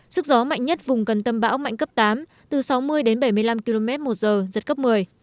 sức gió mạnh nhất vùng gần tâm bão mạnh cấp tám từ sáu mươi đến bảy mươi năm km một giờ giật cấp một mươi